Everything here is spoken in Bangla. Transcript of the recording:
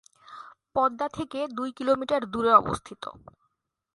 পদ্মা থেকে দুই কিলোমিটার দূরে অবস্থিত।